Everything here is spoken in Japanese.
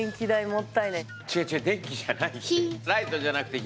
違う違う電気じゃない。